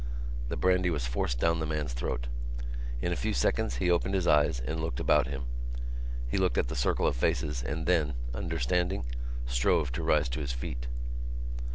The brandy was forced down the man's throat. In a few seconds he opened his eyes and looked about him. He looked at the circle of faces and then, understanding, strove to rise to his feet.